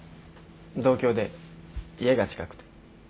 同郷で家が近くて。